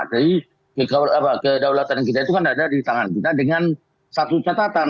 jadi kedaulatan kita itu kan ada di tangan kita dengan satu catatan